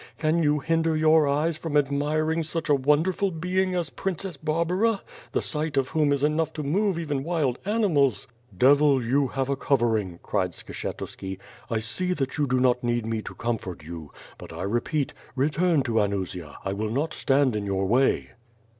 Can you hinder your eyes from admiring such a wonderful being as Princess Barbara, the sight of whom is enough to move even wild animals." *T)evil, you have a covering," cried Skshetuski, "I see that ji WITH FIRE AND SWORD. you do not need me to comfort you, but I repeat, return to Anusia, I will not stand in your way."